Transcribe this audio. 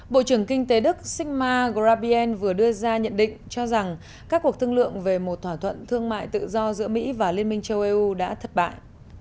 bộ trưởng kinh tế đức shinma grabien vừa đưa ra nhận định cho rằng các cuộc thương lượng về một thỏa thuận thương mại tự do giữa mỹ và liên minh châu âu đã thất bại